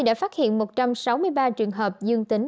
đã phát hiện một trăm sáu mươi ba trường hợp dương tính